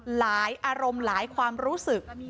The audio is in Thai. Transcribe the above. อารมณ์หลายความรู้สึก